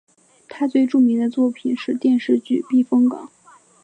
他最著名的作品是电视剧避风港。